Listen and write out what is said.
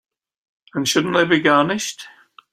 And shouldn't they be garnished?